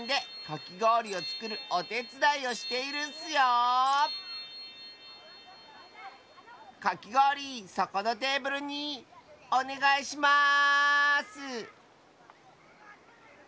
かきごおりそこのテーブルにおねがいします！